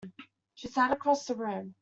She sat across the room.